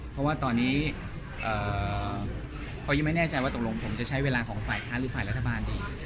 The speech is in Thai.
เพราะว่าตอนนี้เขายังไม่แน่ใจว่าตกลงผมจะใช้เวลาของฝ่ายค้านหรือฝ่ายรัฐบาลดี